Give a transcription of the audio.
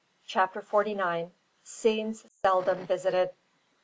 CHAPTER FORTY NINE. SCENES SELDOM VISITED.